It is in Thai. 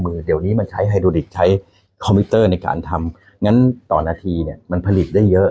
เยอะมือเดี๋ยวนี้มันใช้ฮัยโดริกใช้คอมพิวเตอร์ในการทำงั้นต่อหน้าทีเนี้ยมันผลิตได้เยอะ